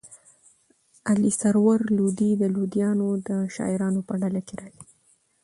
علي سرور لودي د لودیانو د شاعرانو په ډله کښي راځي.